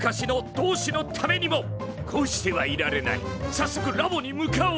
さっそくラボに向かおう！